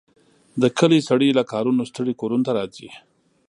د کلي سړي له کارونو ستړي کورونو ته راځي.